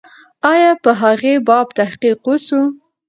آیا په هغې باب تحقیق و سو؟